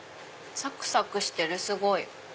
サクサクしてるすごい。